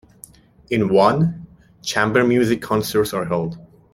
In one, chamber music concerts are held.